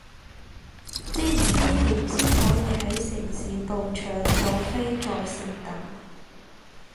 知唔知點先可以係城市到搶到飛在線等？